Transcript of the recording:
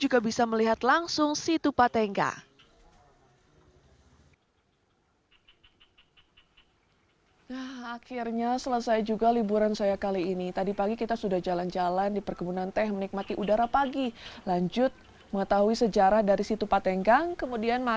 kisah cinta yang menegurkan kita